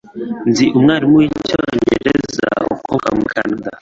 Nzi umwarimu wicyongereza ukomoka muri Kanada.